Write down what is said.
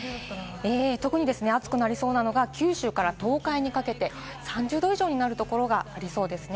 特に暑くなりそうなのが九州から東海にかけて、３０度以上になるところがありそうです。